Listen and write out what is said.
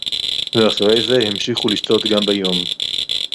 ואחרי זה המשיכו לשתות גם ביום